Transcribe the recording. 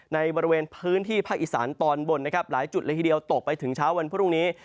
ในบริเวณพื้นที่ภาคอีสานตอนบนนะครับหลายจุดเลยทีเดียวตกไปถึงเช้าวันพรุ่งนี้